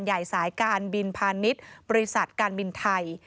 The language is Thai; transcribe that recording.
ใหญ่สายการบินพานิศบริษัทการบินไทย